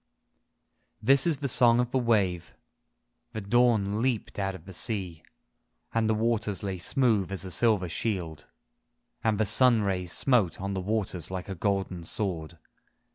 Ill This is the song of the wave ! The dawn leaped out of the sea And the waters lay smooth as a silver shield, 7 THE SONG OF THE WAVE And the sun rays smote on the waters like a golden sword.